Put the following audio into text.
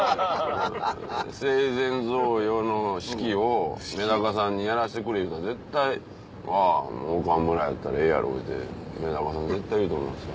生前贈与の式をめだかさんに「やらせてくれ」言うたら絶対「あぁ岡村やったらええやろ」めだかさん絶対言うと思います。